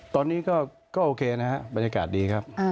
ตอนนี้ก็โอเคนะครับบรรยากาศดีครับ